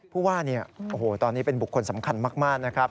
ผู้ว่าตอนนี้เป็นบุคคลสำคัญมากนะครับ